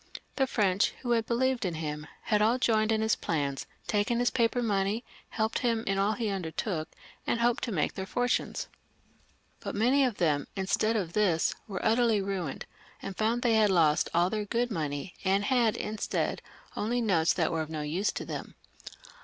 The French, who had beKeved in him, had all joined in his plans, taken his paper money, helped him in all he imdertook, and hoped to make their fortunes ; but many of them, instead of this, were utterly ruined, and found they had lost all their good money, and had, instead, only notes that were of no use to them.